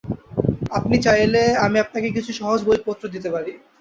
আপনি চাইলে, আমি আপনাকে কিছু সহজ বইপত্র দিতে পারি।